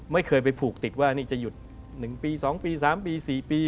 ไม่เคยไปผูกติดว่านี่จะหยุด๑ปี๒ปี๓ปี๔ปี